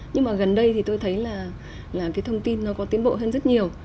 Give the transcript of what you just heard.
nhưng mà gần đây thì tôi thấy là cái thông tin nó có tiến bộ hơn rất nhiều